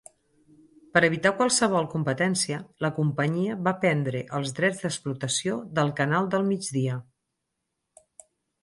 Per evitat qualsevol competència, la companyia va prendre els drets d'explotació del Canal del Migdia.